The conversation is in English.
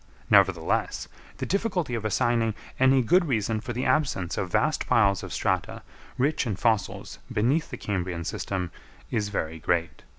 Nevertheless, the difficulty of assigning any good reason for the absence of vast piles of strata rich in fossils beneath the Cambrian system is very great.